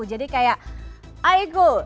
jadi kayak aigu